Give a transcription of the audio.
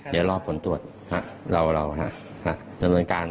เดี๋ยวรอทฟูลตรวจเรายังเป็นการ